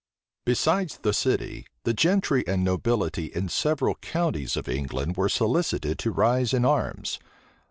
Besides the city, the gentry and nobility in several counties of England were solicited to rise in arms.